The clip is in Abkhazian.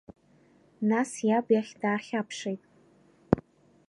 Нас иаб иахь даахьаԥшит.